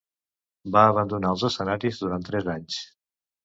Va abandonar els escenaris durant tres anys.